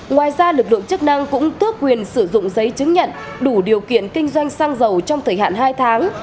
ngoài ra lực lượng chức năng cũng tước quyền sử dụng giấy chứng nhận đủ điều kiện kinh doanh xăng dầu trong thời hạn hai tháng